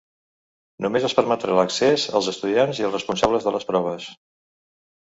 Només es permetrà l’accés als estudiants i als responsables de les proves.